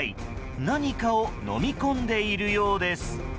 何かを飲み込んでいるようです。